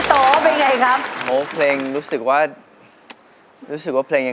ยิ่งรักเธอต่อยิ่งเสียใจ